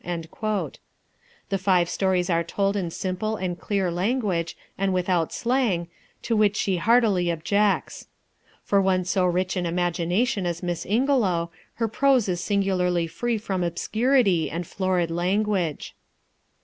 The five stories are told in simple and clear language, and without slang, to which she heartily objects. For one so rich in imagination as Miss Ingelow, her prose is singularly free from obscurity and florid language.